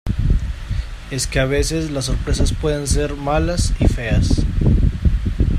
es que a veces las sorpresas pueden ser malas y feas.